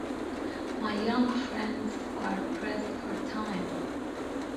My young friends are pressed for time.